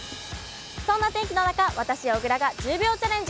そんな天気の中、私、小椋が１０秒チャレンジ。